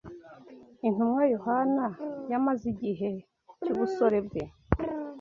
Intumwa Yohana yamaze igihe cy’ubusore bwe